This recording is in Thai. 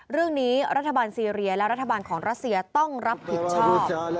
เรื่องนี้รัฐบาลซีเรียและรัฐบาลของรัสเซียต้องรับผิดชอบ